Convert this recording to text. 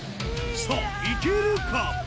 さぁいけるか？